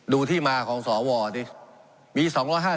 ดูที่มาของสอบสวนที่มี๒๕๐